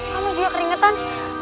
kamu juga keringetan